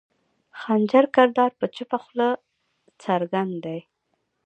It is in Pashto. خنجر کردار پۀ چپه خله څرګند دے